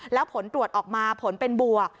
แล้วผลตรวจออกมาผลเป็นบวก